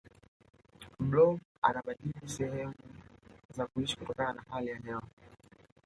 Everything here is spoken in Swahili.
blob anabadili sehemu za kuishi kutokana na hali ya hewa